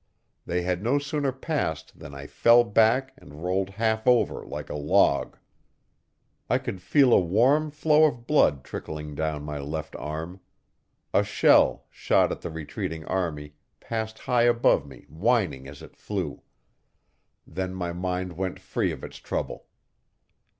They had no sooner passed than I fell back and rolled half over like a log. I could feel a warm flow of blood trickling down my left arm. A shell, shot at the retreating army, passed high above me, whining as it flew. Then my mind went free of its trouble.